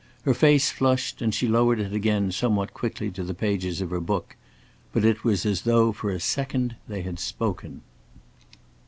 Her face flushed, and she lowered it again somewhat quickly to the pages of her book. But it was as though for a second they had spoken.